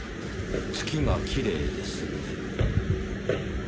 「月がきれいですね」